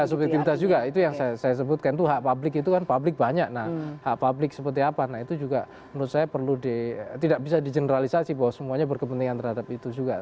subjektivitas juga itu yang saya sebutkan itu hak publik itu kan publik banyak nah hak publik seperti apa nah itu juga menurut saya perlu di tidak bisa di generalisasi bahwa semuanya berkepentingan terhadap itu juga